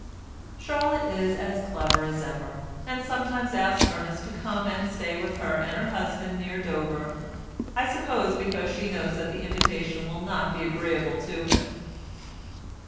Charlotte is as clever as ever, and sometimes asks Ernest to come and stay with her and her husband near Dover, I suppose because she knows that the invitation will not be agreeable to him.